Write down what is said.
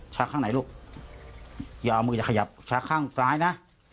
ข้างไหนลูกอย่าเอามืออย่าขยับช้าข้างซ้ายนะ